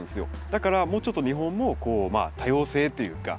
だからもうちょっと日本もこう多様性というか。